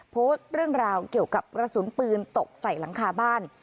โพสต์เรื่องราวเกี่ยวกับกระสุนปืนตกใส่หลังคาบ้าน